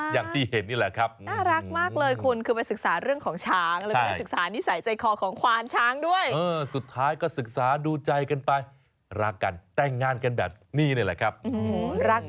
อย่างที่เห็นนี่แหละครับ